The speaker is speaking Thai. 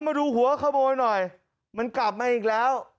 มาดูหัวขโมยหน่อยมันกลับมาอีกแล้ว